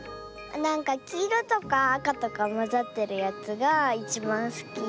なんかきいろとかあかとかまざってるやつがいちばんすき。